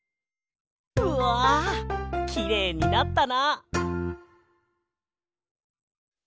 うわきれいになったな！